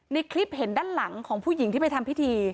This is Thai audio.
ในคลิปเห็นด้านหลังของผู้หญิงที่ไปทำพิธี